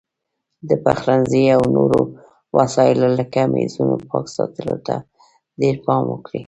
د پخلنځي او نورو وسایلو لکه میزونو پاک ساتلو ته ډېر پام وکړئ.